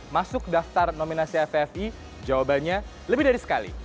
masuk daftar nominasi ffi jawabannya lebih dari sekali